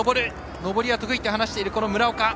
上りが得意と話している村岡。